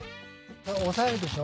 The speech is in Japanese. おさえるでしょ？